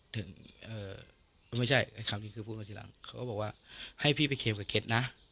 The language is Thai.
ไม่ใช่คำนี้คือพูดมาทีหลังเขาก็บอกว่าให้พี่ไปเคลมกับเคล็ดนะ